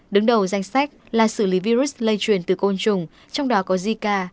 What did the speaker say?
đứng đầu danh sách là xử lý virus lây truyền từ côn trùng trong đó có zika